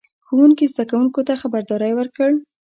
ښوونکي زده کوونکو ته خبرداری ورکړ.